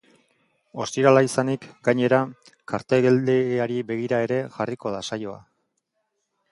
Ostirala izanik, gainera, karteldegiari begira ere jarriko da saioa.